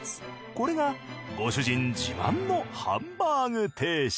これがご主人自慢のハンバーグ定食。